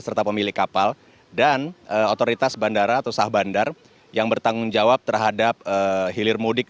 serta pemilik kapal dan otoritas bandara atau sah bandar yang bertanggung jawab terhadap hilir mudik